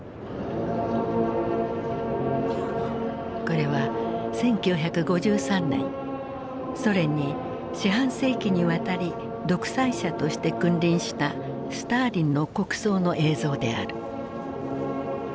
これは１９５３年ソ連に四半世紀にわたり独裁者として君臨したスターリンの国葬の映像である。